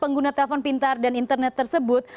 pengguna telpon pintar dan internet tersebut